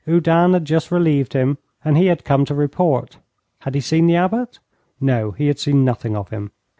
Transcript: Oudin had just relieved him, and he had come to report. Had he seen the Abbot? No, he had seen nothing of him.